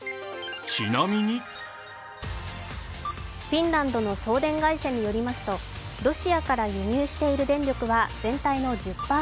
フィンランドの送電会社によりますと、ロシアから輸入している電力は全体の１０％。